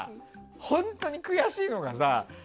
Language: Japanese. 本当に悔しいのがさ